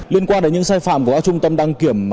liên quan đến những sai phạm của các trung tâm đăng kiểm